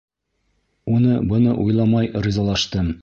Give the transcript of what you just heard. Уны-быны уйламай ризалаштым.